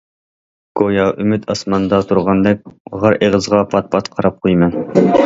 گويا ئۈمىد ئاسماندا تۇرغاندەك غار ئېغىزىغا پات- پات قاراپ قويىمەن.